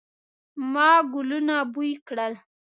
ما ګلونه بوی کړل